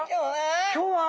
今日は？